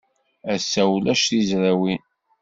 Ass-a, ulac tizrawin.